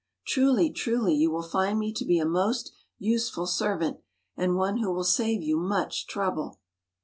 Truly, truly, you will find me to be a most useful servant, and one who will save you much trouble."